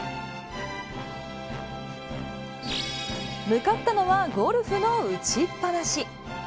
向かったのはゴルフの打ちっぱなし。